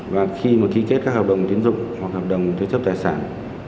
và khi mà ký kết các hợp đồng tiến dụng hoặc hợp đồng thế chấp tài sản